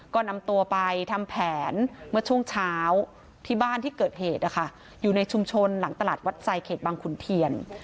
ก็นำตัวไปทำแผนเมื่อช่วงเช้าที่บ้านที่เกิดเหตุนะคะอยู่ในชุมชนหลังตลาดวัดไซดเขตบังขุนเทียน